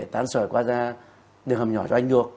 tán sỏi qua ra đường hầm nhỏ cho anh được